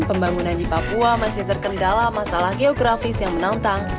pembangunan di papua masih terkendala masalah geografis yang menantang